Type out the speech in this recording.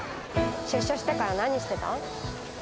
出所してから何してた？